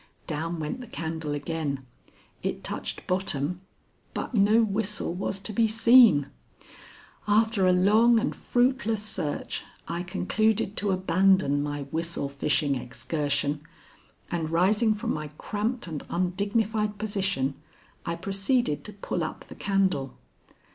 Down went the candle again. It touched bottom, but no whistle was to be seen. After a long and fruitless search, I concluded to abandon my whistle fishing excursion, and, rising from my cramped and undignified position, I proceeded to pull up the candle.